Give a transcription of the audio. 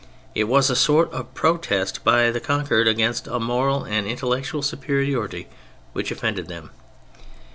It was a sort of protest by the conquered against a moral and intellectual superiority which offended them.